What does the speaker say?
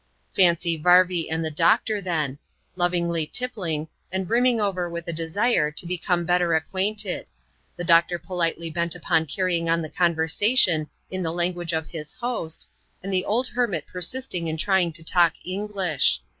Fancy Varvy and the doctor, then ; lovingly tippling, and brimming over with a desire to become better acquainted ; the doctor politely bent upon carrying on the conversation in the language of his host, and the old hermit persisting in trying to talk English.